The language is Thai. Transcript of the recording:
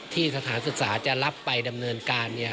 สถานศึกษาจะรับไปดำเนินการ